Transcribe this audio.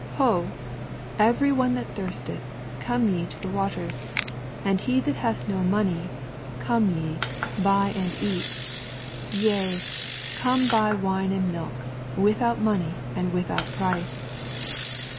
"Ho, every one that thirsteth come yc to ihe waters, and he that hath no money, come ye, bay and eat ; yea, come buy nine and milk, without money and without price."